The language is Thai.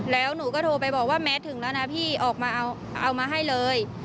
แล้วหนูก็โทรไปบอกว่าแมทถึงแล้วนะพี่ออกมาเอามาให้เลย